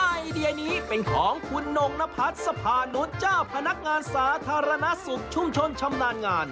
ไอเดียนี้เป็นของคุณนงนพัฒน์สภานุษย์เจ้าพนักงานสาธารณสุขชุมชนชำนาญงาน